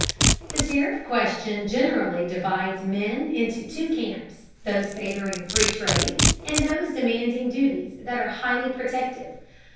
The tariff question generally divides men into two camps, those favoring "free trade," and those demanding duties that are highly protective.